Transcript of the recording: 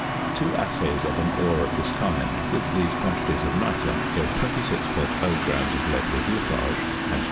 Two assays of an ore of this kind with these quantities of nitre gave 26.0 grams of lead with litharge, and 22.